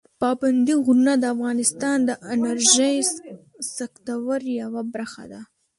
پابندي غرونه د افغانستان د انرژۍ سکتور یوه برخه ده.